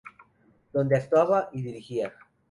Donde actuaba y dirigía.